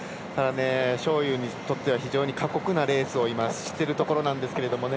章勇にとっては非常に過酷なレースをしているところなんですけどもね。